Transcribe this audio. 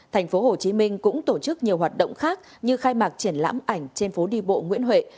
thành phố hồ chí minh cũng tổ chức nhiều hoạt động khác như khai mạc triển lãm ảnh trên phố đi bộ nguyễn huệ